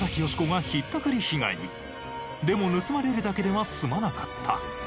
でも盗まれるだけでは済まなかった。